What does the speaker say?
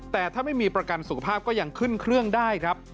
แต่ถ้าไม่มีประกันสุขภาพก็ยังขึ้นเครื่องได้ครับ